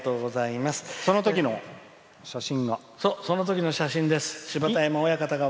そのときの写真が。